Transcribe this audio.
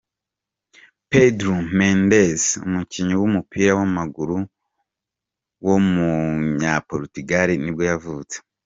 Pedro Mendes, umukinnyi w’umupira w’amaguru w’umunyaportugal nibwo yavutse.